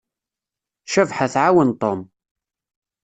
Cabḥa tɛawen Tom.